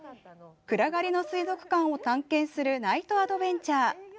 暗がりの水族館を探検するナイトアドベンチャー。